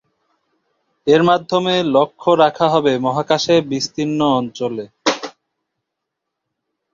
এর মাধ্যমে লক্ষ্য রাখা হবে মহাকাশে বিস্তীর্ণ অঞ্চলে।